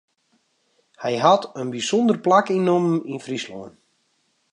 Hy hat in bysûnder plak ynnommen yn Fryslân.